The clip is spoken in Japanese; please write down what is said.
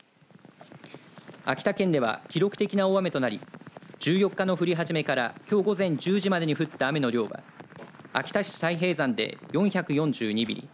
秋田県では記録的な大雨となり１４日の降り始めからきょう午前１０時までに降った雨の量は秋田市太平山で４４２ミリ